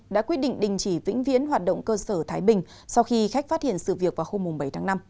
đã quyết định đình chỉ vĩnh viễn hoạt động cơ sở thái bình sau khi khách phát hiện sự việc vào hôm bảy tháng năm